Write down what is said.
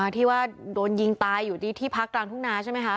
ที่ว่าโดนยิงตายอยู่ที่พักกลางทุ่งนาใช่ไหมคะ